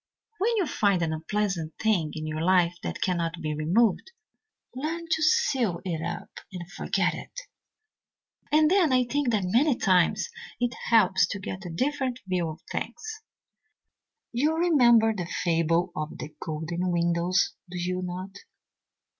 When you find an unpleasant thing in your life that cannot be removed, learn to seal it up and forget it. "And then I think that many times it helps to get a different view of things. You remember the fable of the golden windows, do you not?